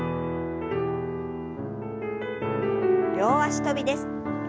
両脚跳びです。